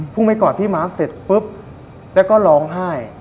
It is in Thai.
ไปกอดพี่ม้าเสร็จปุ๊บแล้วก็ร้องไห้